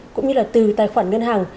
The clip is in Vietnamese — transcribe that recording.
cũng như là từ tài khoản ngân hàng